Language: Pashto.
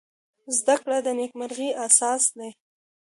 زده کړه د نېکمرغۍ اساس دی.